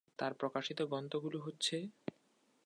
তার প্রকাশিত গ্রন্থগুলো হচ্ছে,